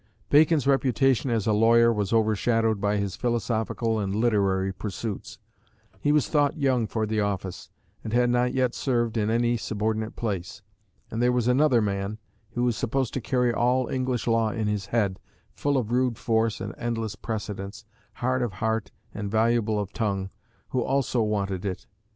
Bacon's reputation as a lawyer was overshadowed by his philosophical and literary pursuits. He was thought young for the office, and he had not yet served in any subordinate place. And there was another man, who was supposed to carry all English law in his head, full of rude force and endless precedents, hard of heart and voluble of tongue, who also wanted it.